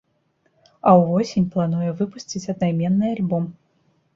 А ўвосень плануе выпусціць аднайменны альбом.